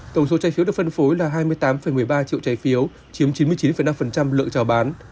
tổng số trái phiếu được phân phối là hai mươi tám một mươi ba triệu trái phiếu chiếm chín mươi chín năm lượng trào bán